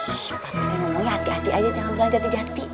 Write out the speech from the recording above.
ih pak pintanya ngomongnya hati hati aja jangan bilang jati jati